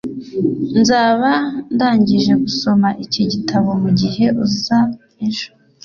nzaba ndangije gusoma iki gitabo mugihe uza ejo